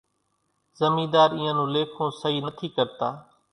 زمينۮار اينيان نون ليکون سئِي نٿِي ڪرتا۔